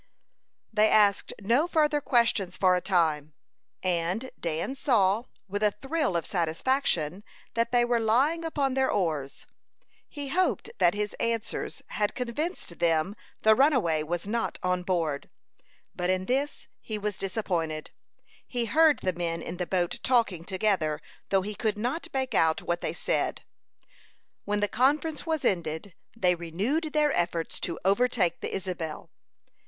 They asked no further questions for a time, and Dan saw, with a thrill of satisfaction, that they were lying upon their oars. He hoped that his answers had convinced them the runaway was not on board; but in this he was disappointed. He heard the men in the boat talking together, though he could not make out what they said. When the conference was ended, they renewed their efforts to overtake the Isabel.